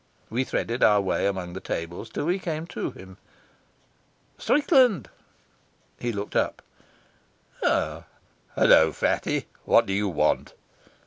We threaded our way among the tables till we came to him. "Strickland." He looked up. "Hulloa, fatty. What do you want?"